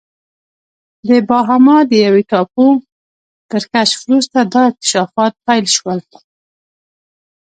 د باهاما د یوې ټاپو تر کشف وروسته دا اکتشافات پیل شول.